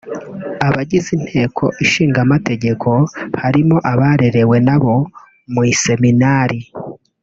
abagize Inteko Ishinga Amategeko harimo abarerewe nabo mu iseminari